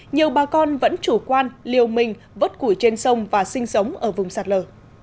nhiều bà con vẫn chủ quan liều mình vớt củi trên sông và sinh sống ở vùng sạt lở